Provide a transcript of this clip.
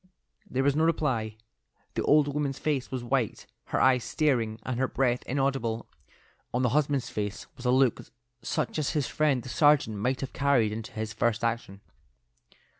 There was no reply; the old woman's face was white, her eyes staring, and her breath inaudible; on the husband's face was a look such as his friend the sergeant might have carried into his first action.